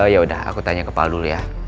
yaudah aku tanya kepal dulu ya